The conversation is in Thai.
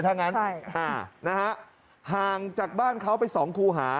ถ้างั้นใช่ค่ะนะฮะห่างจากบ้านเขาไปสองคูหา